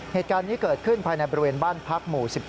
เหตุการณ์นี้เกิดขึ้นภายในบริเวณบ้านพักหมู่๑๒